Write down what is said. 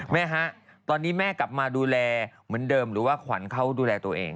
แม่ฮะตอนนี้แม่กลับมาดูแลเหมือนเดิมหรือว่าขวัญเขาดูแลตัวเอง